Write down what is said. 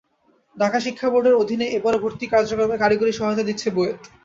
ঢাকা শিক্ষা বোর্ডের অধীনে এবারও ভর্তি কার্যক্রমে কারিগরি সহায়তা দিচ্ছে বুয়েট।